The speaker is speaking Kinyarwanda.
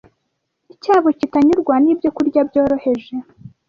cyabo kitanyurwa n’ibyokurya byoroheje